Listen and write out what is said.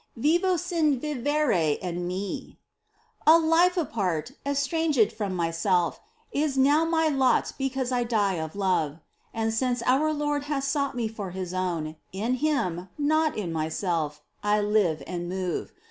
Vivo sin vivir en mi. A LIFE apart, estranged from myself, Is now my lot because I die of love ; And since our Lord has sought me for His own, In Him, not in myself, I live and move.